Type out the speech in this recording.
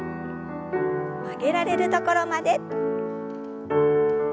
曲げられるところまで。